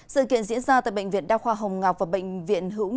sự kiện diễn ra tại bệnh viện đa khoa hồng ngọc và bệnh viện hữu nghị